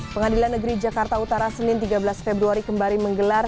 pengadilan negeri jakarta utara senin tiga belas februari kembali menggelar